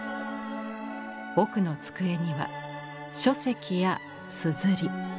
奥の机には書籍やすずり。